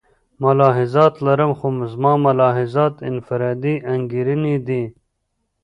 ملاحظات لرم خو زما ملاحظات انفرادي انګېرنې دي.